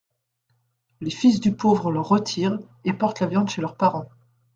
Les fils du pauvre l'en retirent et portent la viande chez leurs parents.